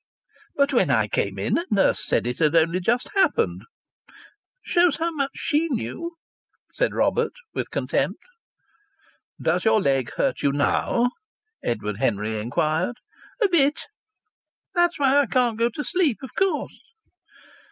"But when I came in nurse said it had only just happened!" "Shows how much she knew!" said Robert, with contempt. "Does your leg hurt you now?" Edward Henry inquired. "A bit. That's why I can't go to sleep, of course."